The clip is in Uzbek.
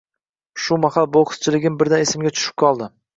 Shu mahal bokschiligim birdan esimga tushib qoldi